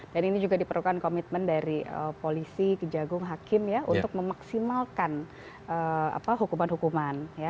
dan ini juga diperlukan komitmen dari polisi kejagung hakim ya untuk memaksimalkan hukuman hukuman